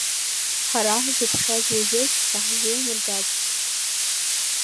Ҳара хзықәшәаз уажәыгь иаҳзеилмыргацт.